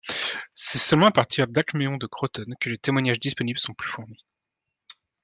C'est seulement à partir d’Alcméon de Crotone que les témoignages disponibles sont plus fournis.